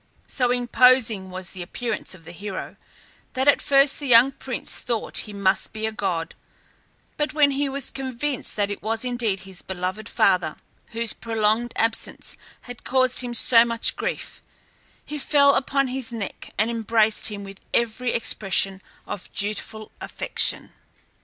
So imposing was the appearance of the hero that at first the young prince thought he must be a god; but when he was convinced that it was indeed his beloved father, whose prolonged absence had caused him so much grief, he fell upon his neck and embraced him with every expression of dutiful affection.